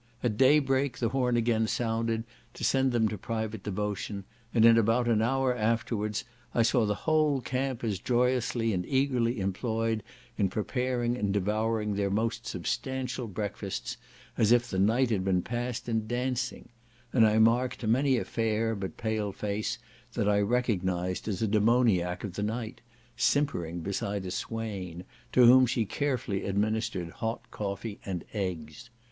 At daybreak the horn again sounded, to send them to private devotion; and in about an hour afterwards I saw the whole camp as joyously and eagerly employed in preparing and devouring their most substantial breakfasts as if the night had been passed in dancing; and I marked many a fair but pale face, that I recognised as a demoniac of the night, simpering beside a swain, to whom she carefully administered hot coffee and eggs.